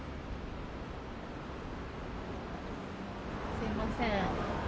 すいません。